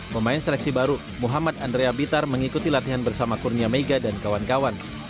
pemain seleksi baru muhammad andrea bitar mengikuti latihan bersama kurnia mega dan kawan kawan